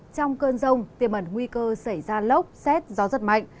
trong cơn rông tiềm ẩn nguy cơ xảy ra lốc xét gió giật mạnh